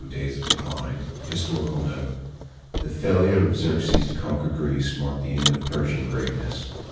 II DAYS OF DECLINE HISTORICAL NOTE The failure of Xerxes to conquer Greece marked the end of Persian greatness.